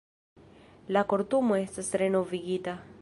La Kortumo estas renovigita.